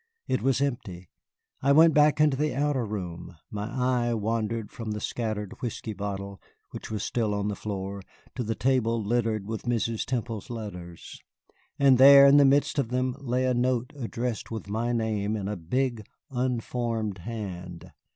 It was empty. I went back into the outer room; my eye wandered from the shattered whiskey bottle, which was still on the floor, to the table littered with Mrs. Temple's letters. And there, in the midst of them, lay a note addressed with my name in a big, unformed hand.